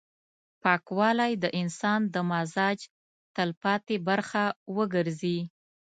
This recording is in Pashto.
پاکوالی د انسان د مزاج تلپاتې برخه وګرځي.